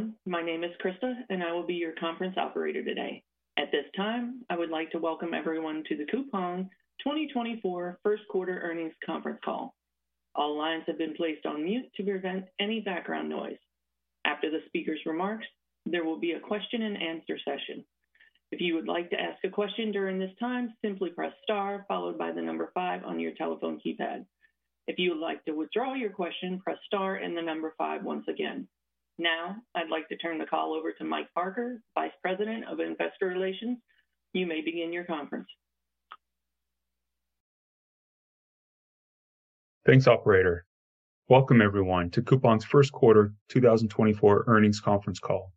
Hello everyone, my name is Krista and I will be your conference operator today. At this time, I would like to welcome everyone to the Coupang 2024 First Quarter Earnings Conference Call. All lines have been placed on mute to prevent any background noise. After the speaker's remarks, there will be a question-and-answer session. If you would like to ask a question during this time, simply press star followed by the number five on your telephone keypad. If you would like to withdraw your question, press star and the number five once again. Now, I'd like to turn the call over to Mike Parker, Vice President of Investor Relations. You may begin your conference. Thanks, operator. Welcome everyone to Coupang's first quarter 2024 earnings conference call.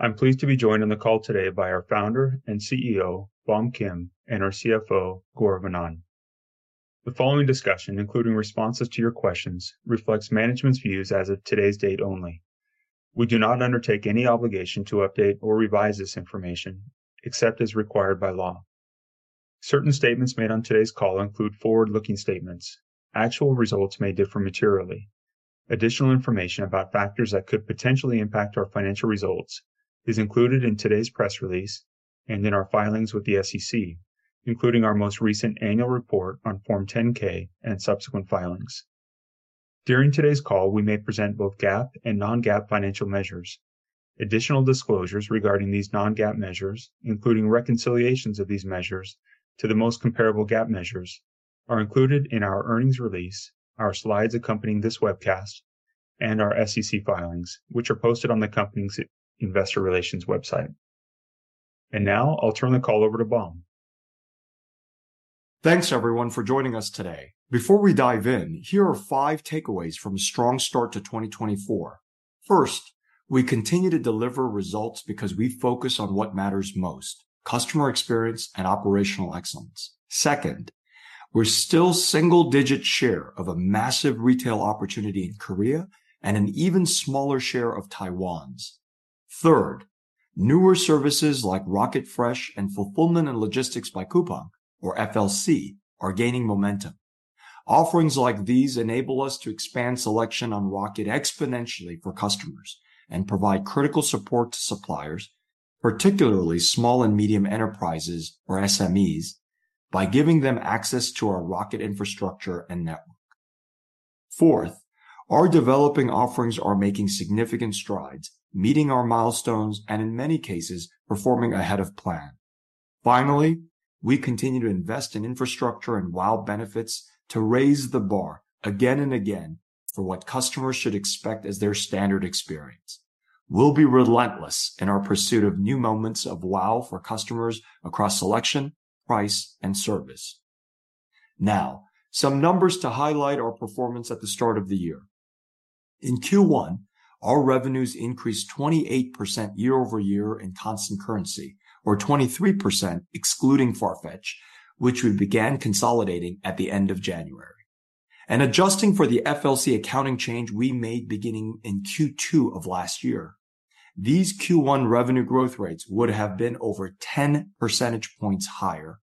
I'm pleased to be joined on the call today by our founder and CEO, Bom Kim, and our CFO, Gaurav Anand. The following discussion, including responses to your questions, reflects management's views as of today's date only. We do not undertake any obligation to update or revise this information, except as required by law. Certain statements made on today's call include forward-looking statements. Actual results may differ materially. Additional information about factors that could potentially impact our financial results is included in today's press release and in our filings with the SEC, including our most recent annual report on Form 10-K and subsequent filings. During today's call, we may present both GAAP and non-GAAP financial measures. Additional disclosures regarding these non-GAAP measures, including reconciliations of these measures to the most comparable GAAP measures, are included in our earnings release, our slides accompanying this webcast, and our SEC filings, which are posted on the company's investor relations website. Now I'll turn the call over to Bom. Thanks everyone for joining us today. Before we dive in, here are five takeaways from a strong start to 2024. First, we continue to deliver results because we focus on what matters most: customer experience and operational excellence. Second, we're still a single-digit share of a massive retail opportunity in Korea and an even smaller share of Taiwan's. Third, newer services like Rocket Fresh and Fulfillment and Logistics by Coupang, or FLC, are gaining momentum. Offerings like these enable us to expand selection on Rocket exponentially for customers and provide critical support to suppliers, particularly small and medium enterprises or SMEs, by giving them access to our Rocket infrastructure and network. Fourth, our Developing Offerings are making significant strides, meeting our milestones, and in many cases, performing ahead of plan. Finally, we continue to invest in infrastructure and Wow benefits to raise the bar again and again for what customers should expect as their standard experience. We'll be relentless in our pursuit of new moments of Wow for customers across selection, price, and service. Now, some numbers to highlight our performance at the start of the year. In Q1, our revenues increased 28% year-over-year in constant currency, or 23% excluding Farfetch, which we began consolidating at the end of January. And adjusting for the FLC accounting change we made beginning in Q2 of last year, these Q1 revenue growth rates would have been over 10 percentage points higher.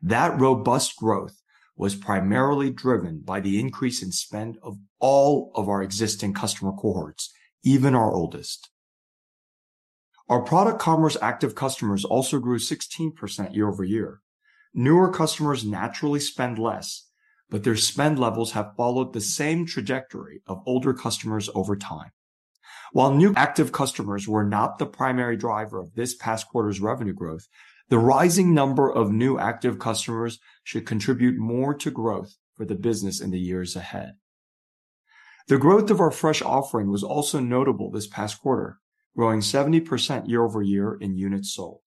That robust growth was primarily driven by the increase in spend of all of our existing customer cohorts, even our oldest. Our Product Commerce active customers also grew 16% year-over-year. Newer customers naturally spend less, but their spend levels have followed the same trajectory of older customers over time. While new active customers were not the primary driver of this past quarter's revenue growth, the rising number of new active customers should contribute more to growth for the business in the years ahead. The growth of our fresh offering was also notable this past quarter, growing 70% year-over-year in units sold.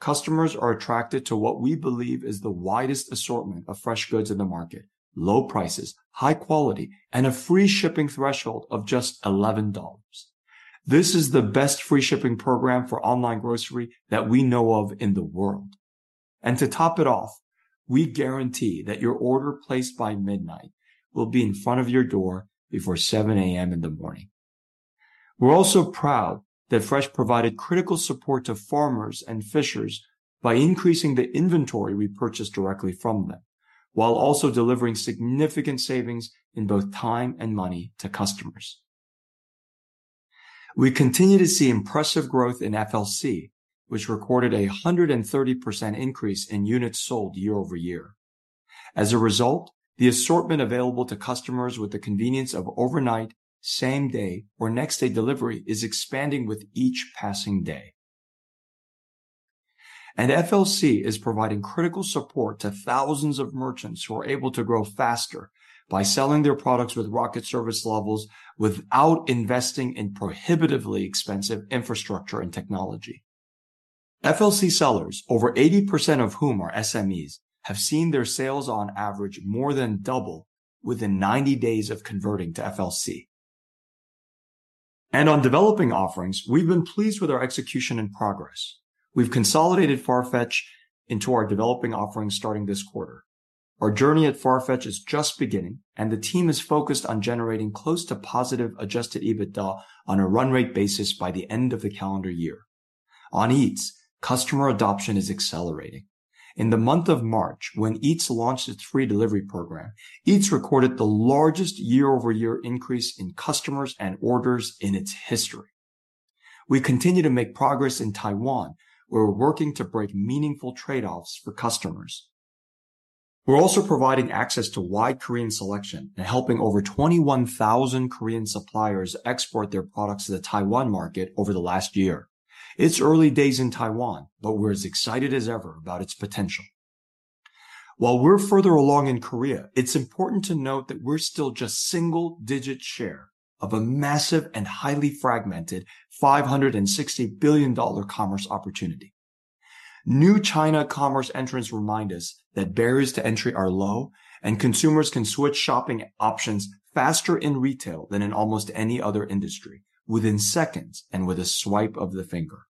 Customers are attracted to what we believe is the widest assortment of fresh goods in the market: low prices, high quality, and a free shipping threshold of just $11. This is the best free shipping program for online grocery that we know of in the world. To top it off, we guarantee that your order placed by midnight will be in front of your door before 7:00 A.M. in the morning. We're also proud that Fresh provided critical support to farmers and fishers by increasing the inventory we purchase directly from them, while also delivering significant savings in both time and money to customers. We continue to see impressive growth in FLC, which recorded a 130% increase in units sold year-over-year. As a result, the assortment available to customers with the convenience of overnight, same-day, or next-day delivery is expanding with each passing day. And FLC is providing critical support to thousands of merchants who are able to grow faster by selling their products with Rocket service levels without investing in prohibitively expensive infrastructure and technology. FLC sellers, over 80% of whom are SMEs, have seen their sales on average more than double within 90 days of converting to FLC. And on developing offerings, we've been pleased with our execution and progress. We've consolidated Farfetch into our developing offerings starting this quarter. Our journey at Farfetch is just beginning, and the team is focused on generating close to positive Adjusted EBITDA on a run-rate basis by the end of the calendar year. On Eats, customer adoption is accelerating. In the month of March, when Eats launched its free delivery program, Eats recorded the largest year-over-year increase in customers and orders in its history. We continue to make progress in Taiwan, where we're working to break meaningful trade-offs for customers. We're also providing access to wide Korean selection and helping over 21,000 Korean suppliers export their products to the Taiwan market over the last year. It's early days in Taiwan, but we're as excited as ever about its potential. While we're further along in Korea, it's important to note that we're still just a single-digit share of a massive and highly fragmented $560 billion commerce opportunity. New China commerce entrants remind us that barriers to entry are low, and consumers can switch shopping options faster in retail than in almost any other industry, within seconds and with a swipe of the finger.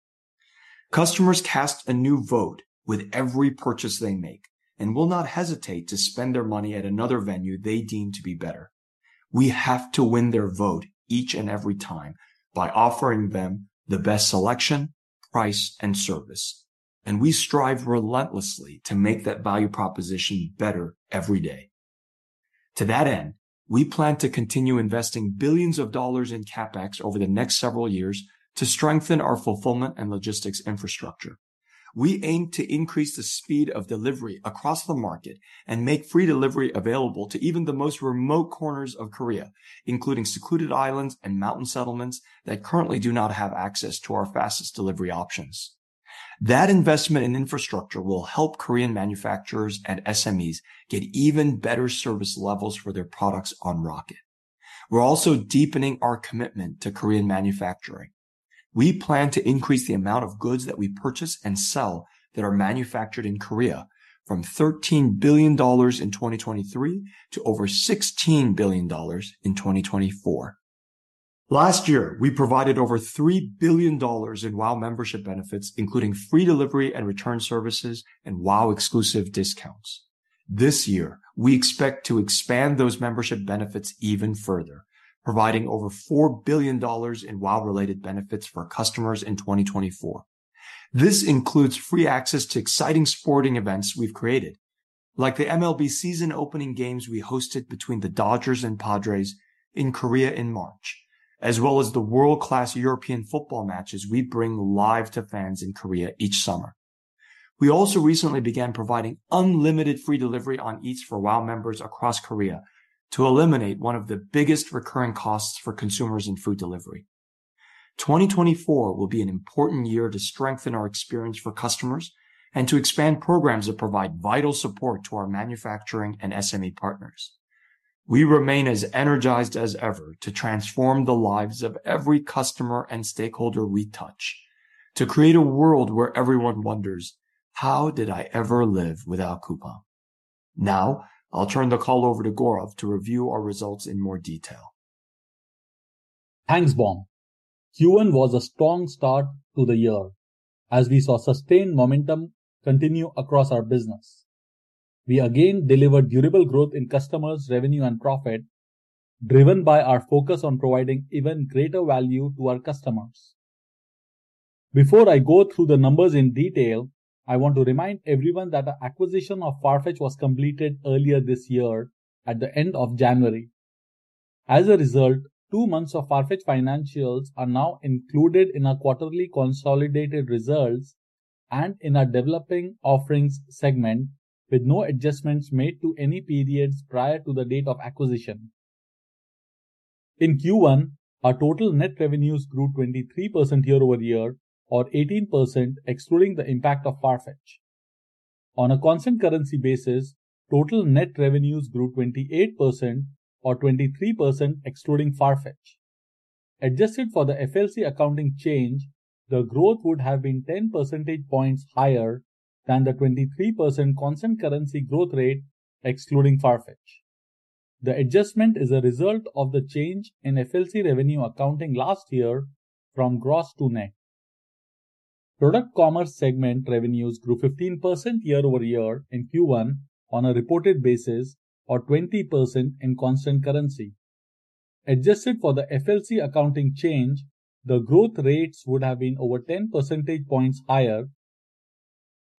Customers cast a new vote with every purchase they make and will not hesitate to spend their money at another venue they deem to be better. We have to win their vote each and every time by offering them the best selection, price, and service, and we strive relentlessly to make that value proposition better every day. To that end, we plan to continue investing billions of dollars in CapEx over the next several years to strengthen our fulfillment and logistics infrastructure. We aim to increase the speed of delivery across the market and make free delivery available to even the most remote corners of Korea, including secluded islands and mountain settlements that currently do not have access to our fastest delivery options. That investment in infrastructure will help Korean manufacturers and SMEs get even better service levels for their products on Rocket. We're also deepening our commitment to Korean manufacturing. We plan to increase the amount of goods that we purchase and sell that are manufactured in Korea from $13 billion in 2023 to over $16 billion in 2024. Last year, we provided over $3 billion in Wow membership benefits, including free delivery and return services and Wow exclusive discounts. This year, we expect to expand those membership benefits even further, providing over $4 billion in Wow-related benefits for customers in 2024. This includes free access to exciting sporting events we've created, like the MLB season opening games we hosted between the Dodgers and Padres in Korea in March, as well as the world-class European football matches we bring live to fans in Korea each summer. We also recently began providing unlimited free delivery on Eats for Wow members across Korea to eliminate one of the biggest recurring costs for consumers in food delivery. 2024 will be an important year to strengthen our experience for customers and to expand programs that provide vital support to our manufacturing and SME partners. We remain as energized as ever to transform the lives of every customer and stakeholder we touch, to create a world where everyone wonders, "How did I ever live without Coupang?" Now, I'll turn the call over to Gaurav to review our results in more detail. Thanks, Bom. Q1 was a strong start to the year as we saw sustained momentum continue across our business. We again delivered durable growth in customers, revenue, and profit, driven by our focus on providing even greater value to our customers. Before I go through the numbers in detail, I want to remind everyone that our acquisition of Farfetch was completed earlier this year, at the end of January. As a result, two months of Farfetch financials are now included in our quarterly consolidated results and in our developing offerings segment, with no adjustments made to any periods prior to the date of acquisition. In Q1, our total net revenues grew 23% year-over-year, or 18% excluding the impact of Farfetch. On a Constant Currency basis, total net revenues grew 28%, or 23% excluding Farfetch. Adjusted for the FLC accounting change, the growth would have been 10 percentage points higher than the 23% constant currency growth rate excluding Farfetch. The adjustment is a result of the change in FLC revenue accounting last year, from gross to net. Product Commerce segment revenues grew 15% year-over-year in Q1 on a reported basis, or 20% in constant currency. Adjusted for the FLC accounting change, the growth rates would have been over 10 percentage points higher.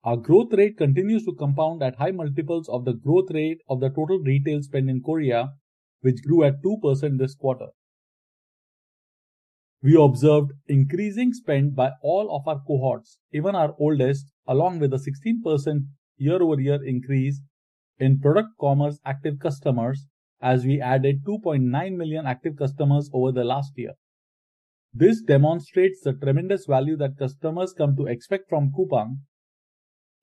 Our growth rate continues to compound at high multiples of the growth rate of the total retail spend in Korea, which grew at 2% this quarter. We observed increasing spend by all of our cohorts, even our oldest, along with a 16% year-over-year increase in Product Commerce active customers as we added 2.9 million active customers over the last year. This demonstrates the tremendous value that customers come to expect from Coupang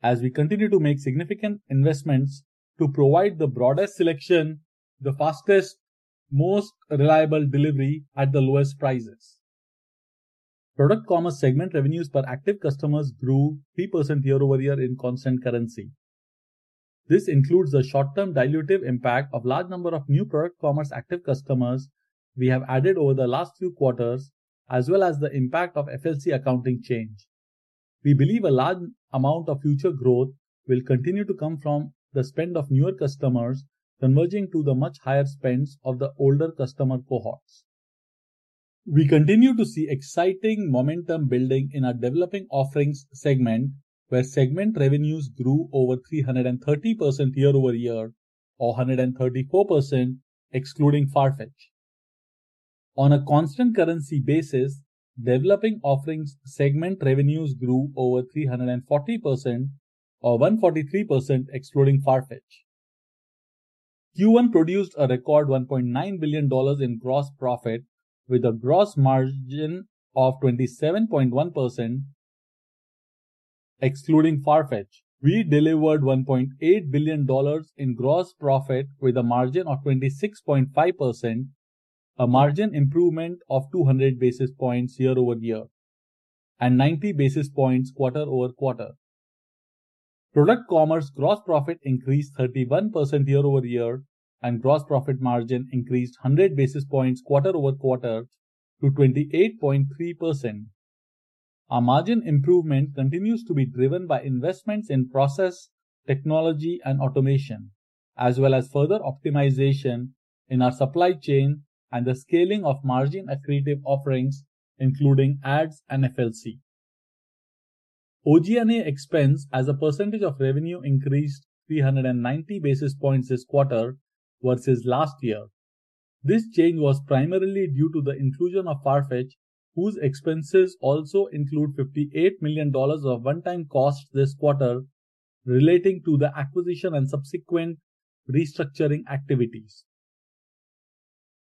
as we continue to make significant investments to provide the broadest selection, the fastest, most reliable delivery at the lowest prices. Product Commerce segment revenues per active customers grew 3% year-over-year in constant currency. This includes the short-term dilutive impact of a large number of new Product Commerce active customers we have added over the last few quarters, as well as the impact of FLC accounting change. We believe a large amount of future growth will continue to come from the spend of newer customers converging to the much higher spends of the older customer cohorts. We continue to see exciting momentum building in our developing offerings segment, where segment revenues grew over 330% year-over-year, or 134% excluding Farfetch. On a Constant Currency basis, Developing Offerings segment revenues grew over 340%, or 143% excluding Farfetch. Q1 produced a record $1.9 billion in gross profit, with a gross margin of 27.1% excluding Farfetch. We delivered $1.8 billion in gross profit, with a margin of 26.5%, a margin improvement of 200 basis points year-over-year, and 90 basis points quarter-over-quarter. Product Commerce gross profit increased 31% year-over-year, and gross profit margin increased 100 basis points quarter-over-quarter to 28.3%. Our margin improvement continues to be driven by investments in process, technology, and automation, as well as further optimization in our supply chain and the scaling of margin-accretive offerings, including ads and FLC. OG&A expense as a percentage of revenue increased 390 basis points this quarter versus last year. This change was primarily due to the inclusion of Farfetch, whose expenses also include $58 million of one-time costs this quarter relating to the acquisition and subsequent restructuring activities.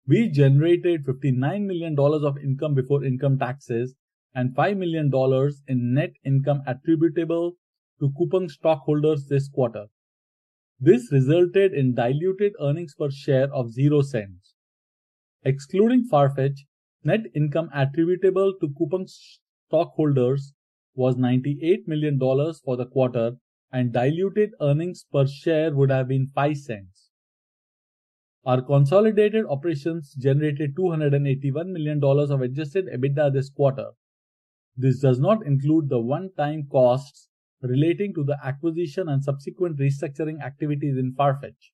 We generated $59 million of income before income taxes and $5 million in net income attributable to Coupang stockholders this quarter. This resulted in diluted earnings per share of $0.00. Excluding Farfetch, net income attributable to Coupang stockholders was $98 million for the quarter, and diluted earnings per share would have been $0.05. Our consolidated operations generated $281 million of Adjusted EBITDA this quarter. This does not include the one-time costs relating to the acquisition and subsequent restructuring activities in Farfetch.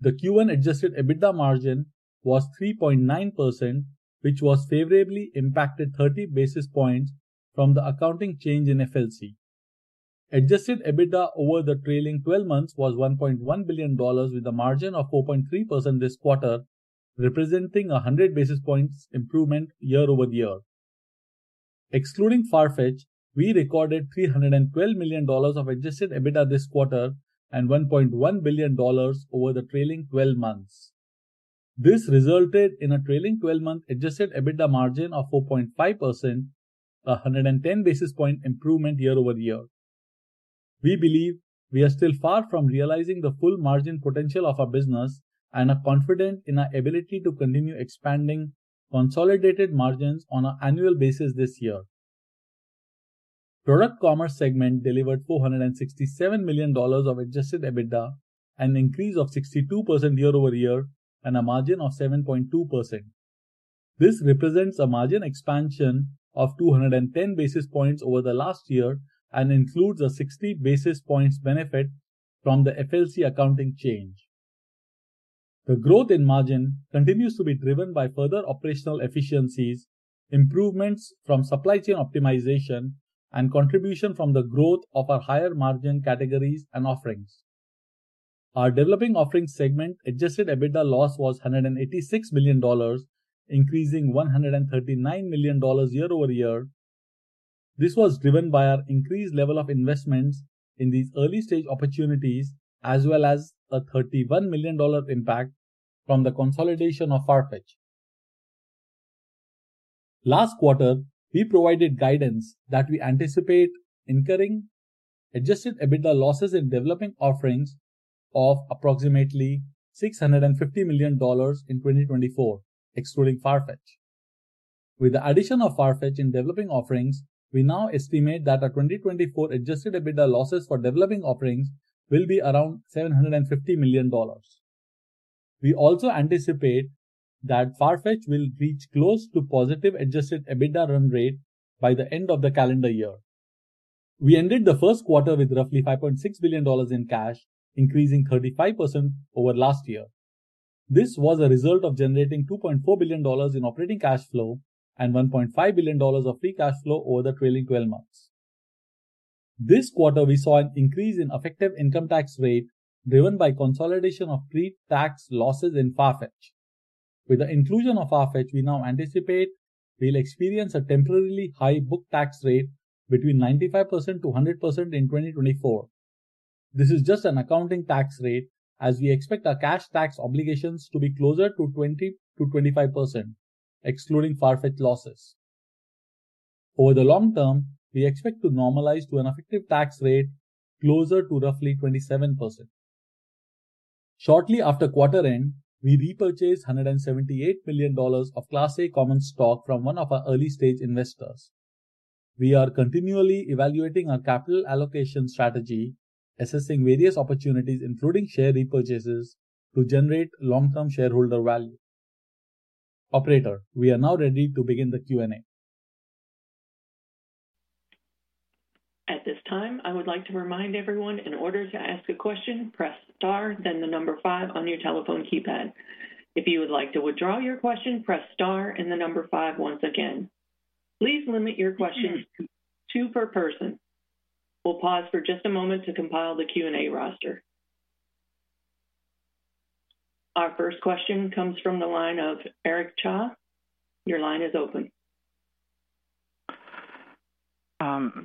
The Q1 Adjusted EBITDA margin was 3.9%, which was favorably impacted 30 basis points from the accounting change in FLC. Adjusted EBITDA over the trailing 12 months was $1.1 billion, with a margin of 4.3% this quarter, representing a 100 basis points improvement year-over-year. Excluding Farfetch, we recorded $312 million of adjusted EBITDA this quarter and $1.1 billion over the trailing 12 months. This resulted in a trailing 12-month adjusted EBITDA margin of 4.5%, a 110 basis point improvement year-over-year. We believe we are still far from realizing the full margin potential of our business and are confident in our ability to continue expanding consolidated margins on an annual basis this year. Product commerce segment delivered $467 million of adjusted EBITDA, an increase of 62% year-over-year, and a margin of 7.2%. This represents a margin expansion of 210 basis points over the last year and includes a 60 basis points benefit from the FLC accounting change. The growth in margin continues to be driven by further operational efficiencies, improvements from supply chain optimization, and contribution from the growth of our higher margin categories and offerings. Our developing offerings segment Adjusted EBITDA loss was $186 million, increasing $139 million year-over-year. This was driven by our increased level of investments in these early-stage opportunities, as well as a $31 million impact from the consolidation of Farfetch. Last quarter, we provided guidance that we anticipate incurring Adjusted EBITDA losses in developing offerings of approximately $650 million in 2024, excluding Farfetch. With the addition of Farfetch in developing offerings, we now estimate that our 2024 Adjusted EBITDA losses for developing offerings will be around $750 million. We also anticipate that Farfetch will reach close to positive Adjusted EBITDA run rate by the end of the calendar year. We ended the first quarter with roughly $5.6 billion in cash, increasing 35% over last year. This was a result of generating $2.4 billion in operating cash flow and $1.5 billion of free cash flow over the trailing 12 months. This quarter, we saw an increase in effective income tax rate driven by consolidation of pre-tax losses in Farfetch. With the inclusion of Farfetch, we now anticipate we'll experience a temporarily high book tax rate between 95%-100% in 2024. This is just an accounting tax rate, as we expect our cash tax obligations to be closer to 20%-25%, excluding Farfetch losses. Over the long term, we expect to normalize to an effective tax rate closer to roughly 27%. Shortly after quarter-end, we repurchased $178 million of Class A common stock from one of our early-stage investors. We are continually evaluating our capital allocation strategy, assessing various opportunities, including share repurchases, to generate long-term shareholder value. Operator, we are now ready to begin the Q&A. At this time, I would like to remind everyone, in order to ask a question, press star, then the number five on your telephone keypad. If you would like to withdraw your question, press star and the number five once again. Please limit your questions to two per person. We'll pause for just a moment to compile the Q&A roster. Our first question comes from the line of Eric Cha. Your line is open.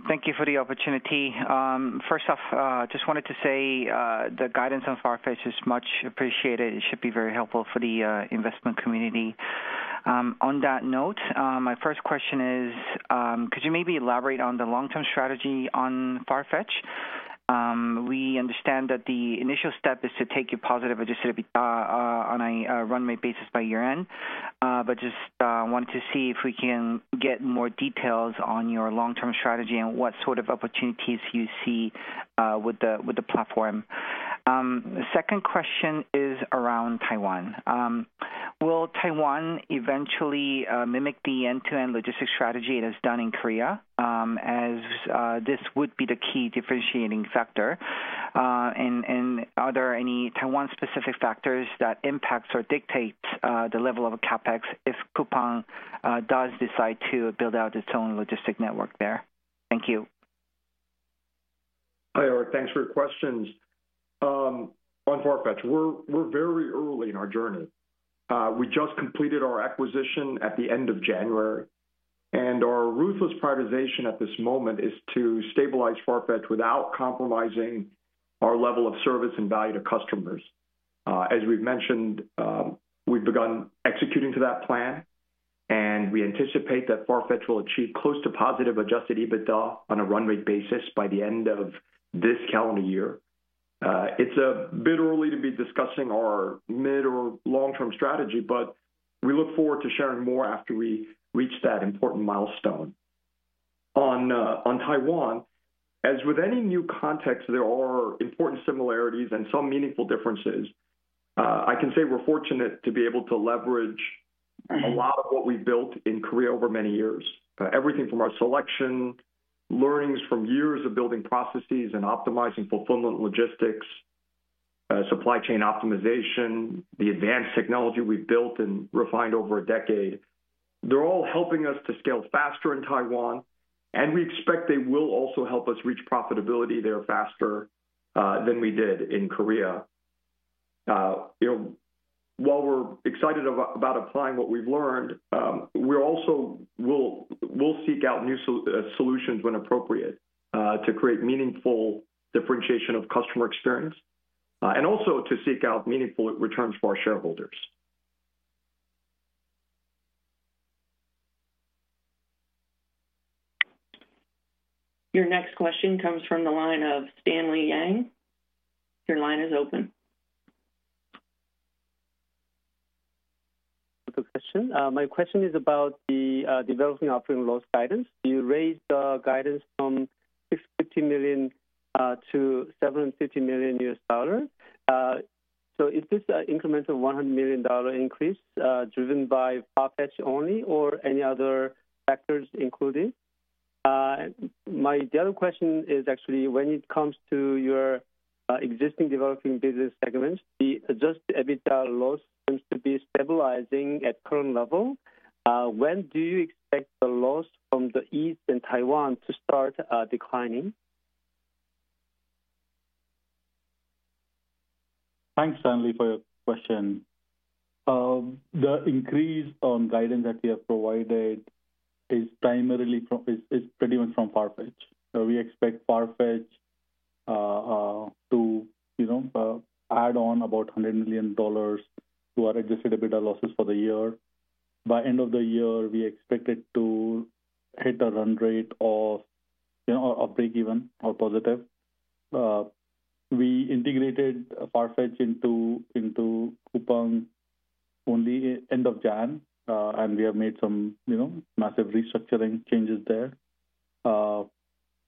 Thank you for the opportunity. First off, I just wanted to say the guidance on Farfetch is much appreciated. It should be very helpful for the investment community. On that note, my first question is, could you maybe elaborate on the long-term strategy on Farfetch? We understand that the initial step is to take your positive Adjusted EBITDA on a run rate basis by year-end, but just wanted to see if we can get more details on your long-term strategy and what sort of opportunities you see with the platform. The second question is around Taiwan. Will Taiwan eventually mimic the end-to-end logistics strategy it has done in Korea, as this would be the key differentiating factor? And are there any Taiwan-specific factors that impact or dictate the level of CapEx if Coupang does decide to build out its own logistics network there? Thank you. Hi, Eric. Thanks for your questions. On Farfetch, we're very early in our journey. We just completed our acquisition at the end of January. Our ruthless prioritization at this moment is to stabilize Farfetch without compromising our level of service and value to customers. As we've mentioned, we've begun executing to that plan, and we anticipate that Farfetch will achieve close to positive Adjusted EBITDA on a run rate basis by the end of this calendar year. It's a bit early to be discussing our mid or long-term strategy, but we look forward to sharing more after we reach that important milestone. On Taiwan, as with any new context, there are important similarities and some meaningful differences. I can say we're fortunate to be able to leverage a lot of what we've built in Korea over many years, everything from our selection, learnings from years of building processes and optimizing fulfillment logistics, supply chain optimization, the advanced technology we've built and refined over a decade. They're all helping us to scale faster in Taiwan, and we expect they will also help us reach profitability there faster than we did in Korea. While we're excited about applying what we've learned, we also will seek out new solutions when appropriate to create meaningful differentiation of customer experience and also to seek out meaningful returns for our shareholders. Your next question comes from the line of Stanley Yang. Your line is open. Good question. My question is about the developing offering loss guidance. You raised the guidance from $650 million-$750 million. So is this incremental $100 million increase driven by Farfetch only or any other factors included? My other question is actually, when it comes to your existing developing business segments, the Adjusted EBITDA loss seems to be stabilizing at current level. When do you expect the loss from the Eats and Taiwan to start declining? Thanks, Stanley, for your question. The increase on guidance that we have provided is primarily from it's pretty much from Farfetch. We expect Farfetch to add on about $100 million to our adjusted EBITDA losses for the year. By end of the year, we expect it to hit a run rate of break-even or positive. We integrated Farfetch into Coupang only end of January, and we have made some massive restructuring changes there.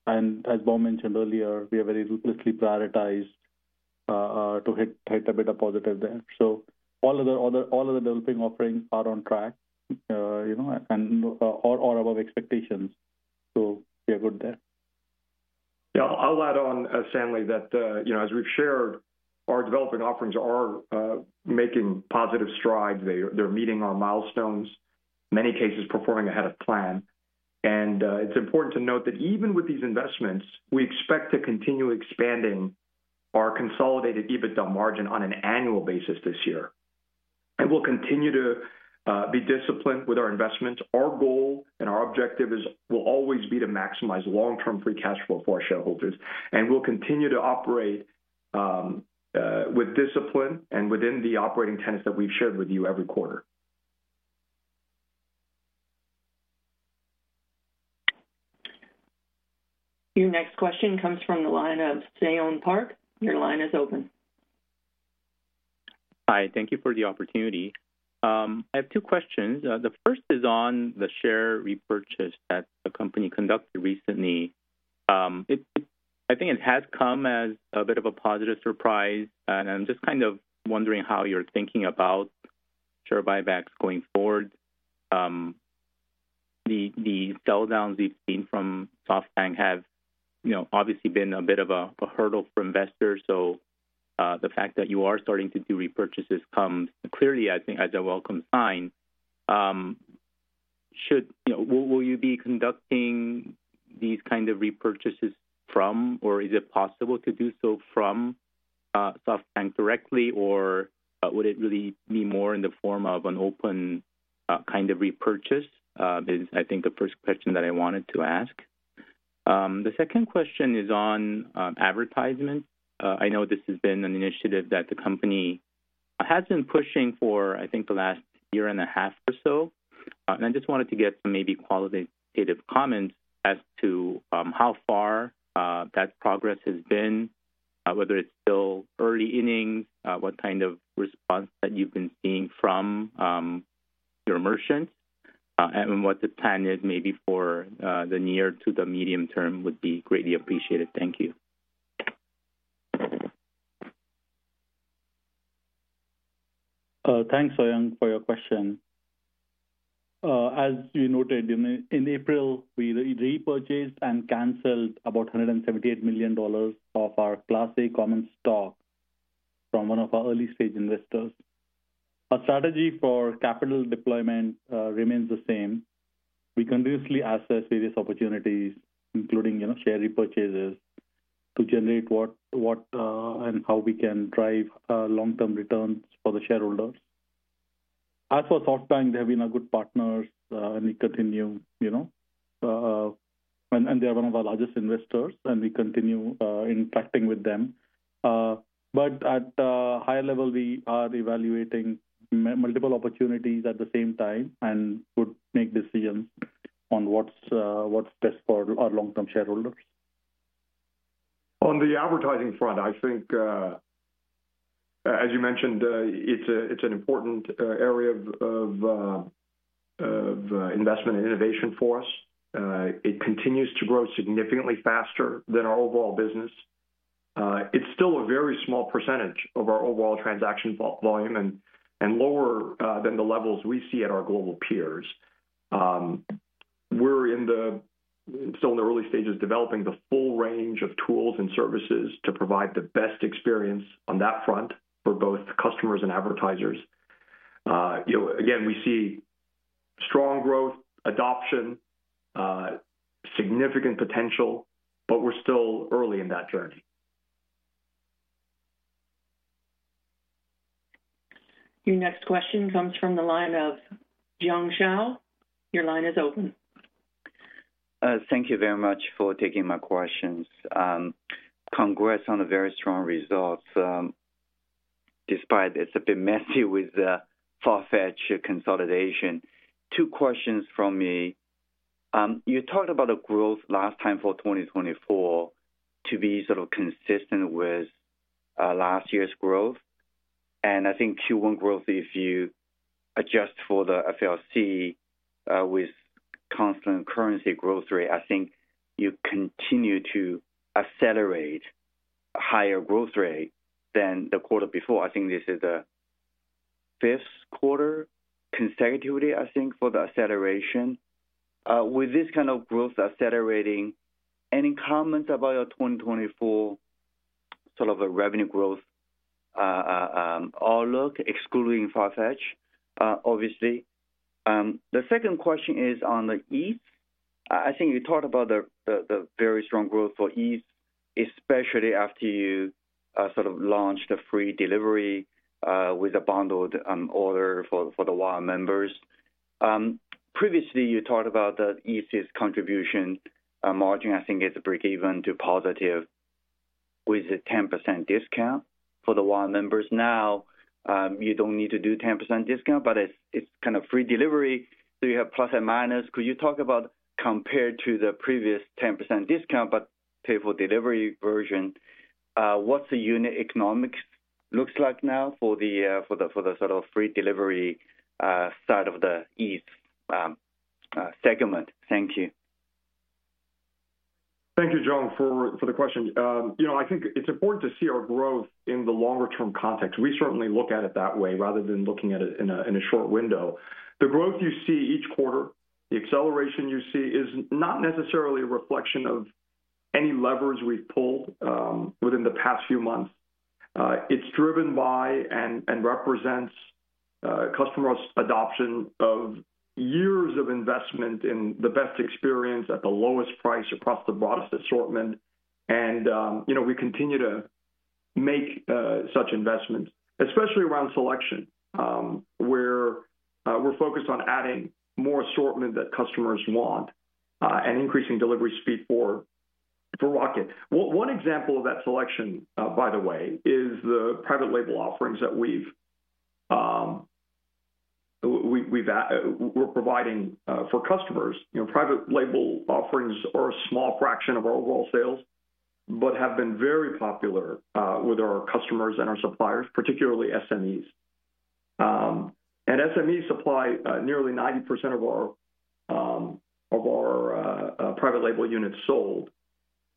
And as Bom mentioned earlier, we are very ruthlessly prioritized to hit EBITDA positive there. So all other developing offerings are on track and or above expectations. So we are good there. Yeah. I'll add on, Stanley, that as we've shared, our developing offerings are making positive strides. They're meeting our milestones, in many cases performing ahead of plan. And it's important to note that even with these investments, we expect to continue expanding our consolidated EBITDA margin on an annual basis this year. And we'll continue to be disciplined with our investments. Our goal and our objective will always be to maximize long-term free cash flow for our shareholders. And we'll continue to operate with discipline and within the operating tenets that we've shared with you every quarter. Your next question comes from the line of Seyon Park. Your line is open. Hi. Thank you for the opportunity. I have two questions. The first is on the share repurchase that the company conducted recently. I think it has come as a bit of a positive surprise, and I'm just kind of wondering how you're thinking about share buybacks going forward. The selldowns we've seen from SoftBank have obviously been a bit of a hurdle for investors. So the fact that you are starting to do repurchases comes clearly, I think, as a welcome sign. Will you be conducting these kind of repurchases from, or is it possible to do so from SoftBank directly, or would it really be more in the form of an open kind of repurchase is, I think, the first question that I wanted to ask. The second question is on advertisements. I know this has been an initiative that the company has been pushing for, I think, the last year and a half or so. I just wanted to get some maybe qualitative comments as to how far that progress has been, whether it's still early innings, what kind of response that you've been seeing from your merchants, and what the plan is maybe for the near to the medium term would be greatly appreciated. Thank you. Thanks, Seyon, for your question. As you noted, in April, we repurchased and canceled about $178 million of our Class A common stock from one of our early-stage investors. Our strategy for capital deployment remains the same. We continuously assess various opportunities, including share repurchases, to generate what and how we can drive long-term returns for the shareholders. As for SoftBank, they have been our good partners, and we continue. And they are one of our largest investors, and we continue interacting with them. But at a higher level, we are evaluating multiple opportunities at the same time and would make decisions on what's best for our long-term shareholders. On the advertising front, I think, as you mentioned, it's an important area of investment and innovation for us. It continues to grow significantly faster than our overall business. It's still a very small percentage of our overall transaction volume and lower than the levels we see at our global peers. We're still in the early stages developing the full range of tools and services to provide the best experience on that front for both customers and advertisers. Again, we see strong growth, adoption, significant potential, but we're still early in that journey. Your next question comes from the line of Jiong Shao. Your line is open. Thank you very much for taking my questions. Congrats on the very strong results. Despite it's a bit messy with Farfetch consolidation. Two questions from me. You talked about the growth last time for 2024 to be sort of consistent with last year's growth. And I think Q1 growth, if you adjust for the FLC with constant currency growth rate, I think you continue to accelerate a higher growth rate than the quarter before. I think this is the fifth quarter consecutively, I think, for the acceleration. With this kind of growth accelerating, any comments about your 2024 sort of revenue growth outlook, excluding Farfetch, obviously? The second question is on the Eats. I think you talked about the very strong growth for Eats, especially after you sort of launched the free delivery with a bundled order for the Wow members. Previously, you talked about the Eats's contribution margin. I think it's break-even to positive with a 10% discount for the Wow members. Now, you don't need to do 10% discount, but it's kind of free delivery. So you have plus and minus. Could you talk about compared to the previous 10% discount, but pay for delivery version, what's the unit economics looks like now for the sort of free delivery side of the Eats segment? Thank you. Thank you, Jiong, for the question. I think it's important to see our growth in the longer-term context. We certainly look at it that way rather than looking at it in a short window. The growth you see each quarter, the acceleration you see, is not necessarily a reflection of any levers we've pulled within the past few months. It's driven by and represents customer adoption of years of investment in the best experience at the lowest price across the broadest assortment. We continue to make such investments, especially around selection, where we're focused on adding more assortment that customers want and increasing delivery speed for Rocket. One example of that selection, by the way, is the private label offerings that we're providing for customers. Private label offerings are a small fraction of our overall sales but have been very popular with our customers and our suppliers, particularly SMEs. SMEs supply nearly 90% of our private label units sold.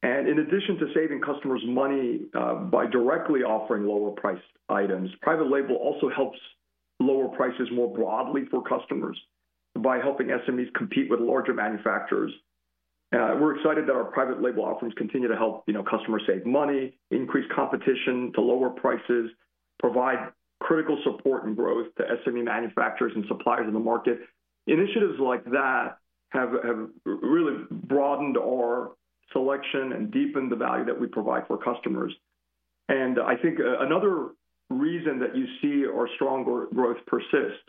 In addition to saving customers money by directly offering lower-priced items, private label also helps lower prices more broadly for customers by helping SMEs compete with larger manufacturers. We're excited that our private label offerings continue to help customers save money, increase competition to lower prices, provide critical support and growth to SME manufacturers and suppliers in the market. Initiatives like that have really broadened our selection and deepened the value that we provide for customers. I think another reason that you see our strong growth persist.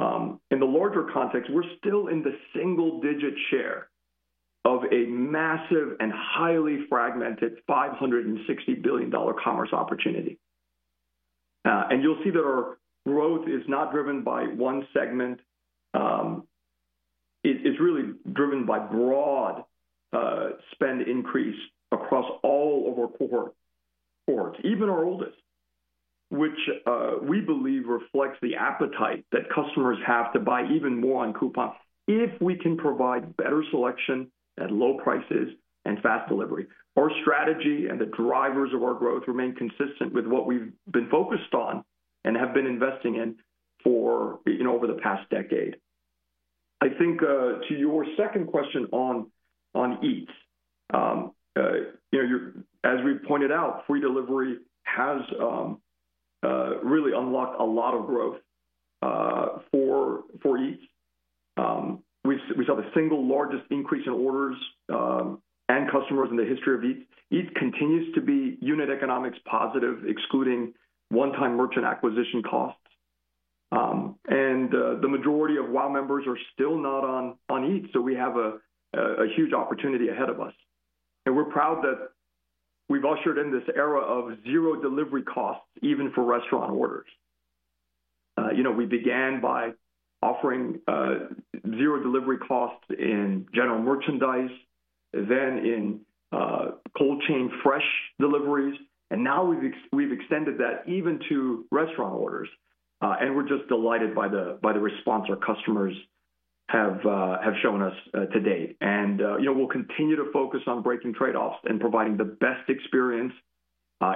In the larger context, we're still in the single-digit share of a massive and highly fragmented $560 billion commerce opportunity. You'll see that our growth is not driven by one segment. It's really driven by broad spend increase across all of our core parts, even our oldest, which we believe reflects the appetite that customers have to buy even more on Coupang if we can provide better selection at low prices and fast delivery. Our strategy and the drivers of our growth remain consistent with what we've been focused on and have been investing in for over the past decade. I think to your second question on Eats, as we pointed out, free delivery has really unlocked a lot of growth for Eats. We saw the single largest increase in orders and customers in the history of Eats. Eats continues to be unit economics positive, excluding one-time merchant acquisition costs. The majority of Wow members are still not on Eats, so we have a huge opportunity ahead of us. We're proud that we've ushered in this era of zero delivery costs, even for restaurant orders. We began by offering zero delivery costs in general merchandise, then in cold-chain fresh deliveries. Now we've extended that even to restaurant orders. We're just delighted by the response our customers have shown us to date. We'll continue to focus on breaking trade-offs and providing the best experience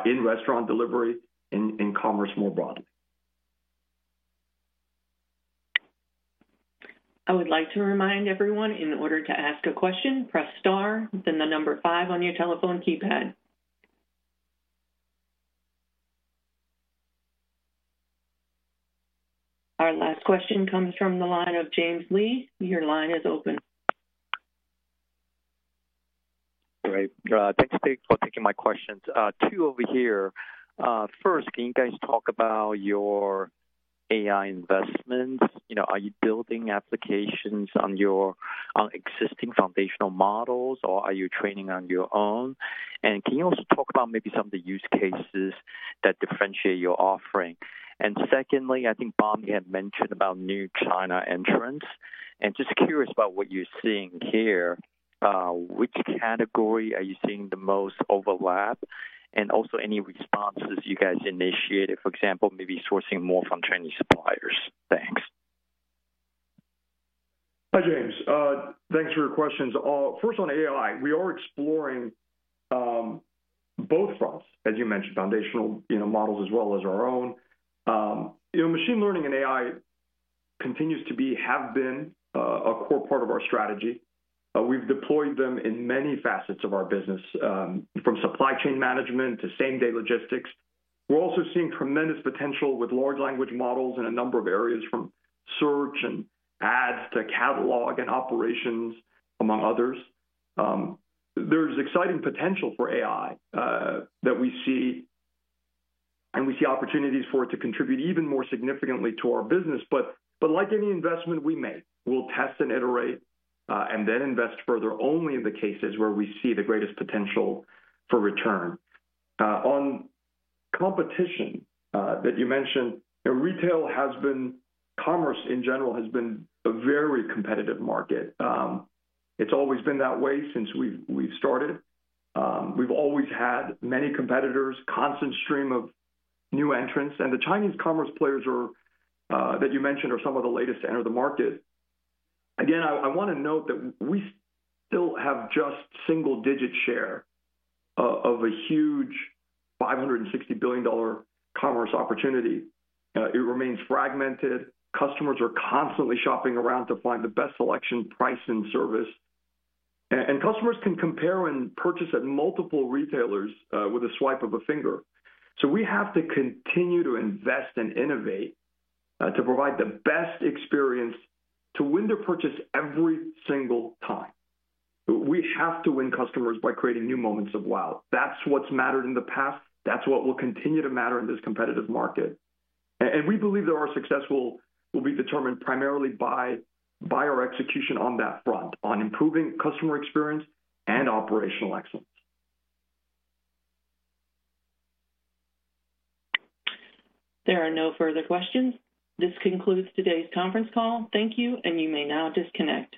in restaurant delivery and commerce more broadly. I would like to remind everyone, in order to ask a question, press star, then the number five on your telephone keypad. Our last question comes from the line of James Lee. Your line is open. Great. Thanks, Steve, for taking my questions. Two over here. First, can you guys talk about your AI investments? Are you building applications on your existing foundational models, or are you training on your own? And can you also talk about maybe some of the use cases that differentiate your offering? And secondly, I think Bom had mentioned about new China entrants. And just curious about what you're seeing here. Which category are you seeing the most overlap? And also, any responses you guys initiated, for example, maybe sourcing more from Chinese suppliers? Thanks. Hi, James. Thanks for your questions. First, on AI, we are exploring both fronts, as you mentioned, foundational models as well as our own. Machine learning and AI continues to be, have been a core part of our strategy. We've deployed them in many facets of our business, from supply chain management to same-day logistics. We're also seeing tremendous potential with large language models in a number of areas, from search and ads to catalog and operations, among others. There's exciting potential for AI that we see, and we see opportunities for it to contribute even more significantly to our business. But like any investment we make, we'll test and iterate and then invest further only in the cases where we see the greatest potential for return. On competition that you mentioned, retail has been, commerce in general has been a very competitive market. It's always been that way since we've started. We've always had many competitors, constant stream of new entrants. The Chinese commerce players that you mentioned are some of the latest to enter the market. Again, I want to note that we still have just single-digit share of a huge $560 billion commerce opportunity. It remains fragmented. Customers are constantly shopping around to find the best selection, price, and service. Customers can compare and purchase at multiple retailers with a swipe of a finger. We have to continue to invest and innovate to provide the best experience to win their purchase every single time. We have to win customers by creating new moments of Wow. That's what's mattered in the past. That's what will continue to matter in this competitive market. We believe that our success will be determined primarily by our execution on that front, on improving customer experience and operational excellence. There are no further questions. This concludes today's conference call. Thank you, and you may now disconnect.